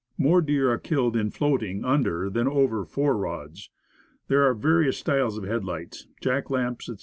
More deer are killed in floating under than over four rods. There are various styles of headlights, jack lamps, etc.